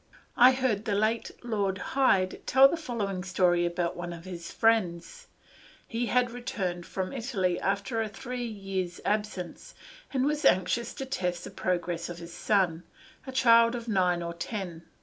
I heard the late Lord Hyde tell the following story about one of his friends. He had returned from Italy after a three years' absence, and was anxious to test the progress of his son, a child of nine or ten.